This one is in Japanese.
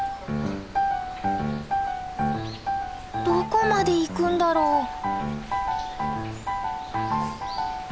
どこまで行くんだろう？